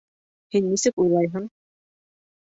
Һин нисек уйлайһың?